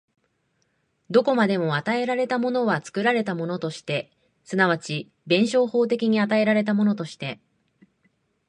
どこまでも与えられたものは作られたものとして、即ち弁証法的に与えられたものとして、